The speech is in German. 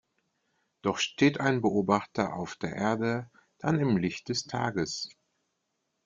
Doch steht ein Beobachter auf der Erde dann im Licht des Tages.